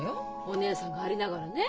・お義姉さんがありながらね。